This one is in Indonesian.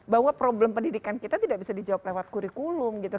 bahwa problem pendidikan kita tidak bisa dijawab lewat kurikulum gitu